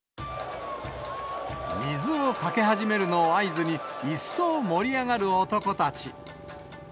水をかけ始めるのを合図に、一層盛り上がる男たち。